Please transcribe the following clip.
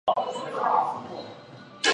每年的青森睡魔祭更是外地游客的焦点。